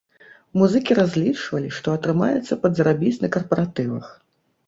Музыкі разлічвалі, што атрымаецца падзарабіць на карпаратывах.